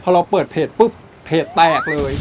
พอเราเปิดเพจปุ๊บเพจแตกเลย